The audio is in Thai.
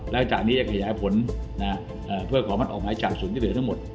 แล้วจากนี้จะขยายผลเพื่อขอมัดออกหมายจับศูนย์ที่เหลือทั้งหมด